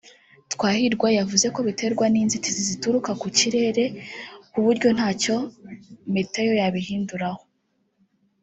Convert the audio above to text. Twahirwa yavuze ko biterwa n’inzitizi zituruka ku ikirere ku buryo ntacyo Meteo yabuhinduraho